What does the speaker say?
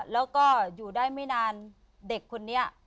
แล้วก็อยู่ได้ไม่นานเด็กคนนี้